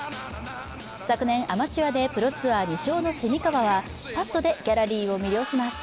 昨年、アマチュアでプロツアー２勝の蝉川はパットでギャラリーを魅了します。